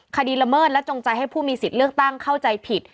ละเมิดและจงใจให้ผู้มีสิทธิ์เลือกตั้งเข้าใจผิด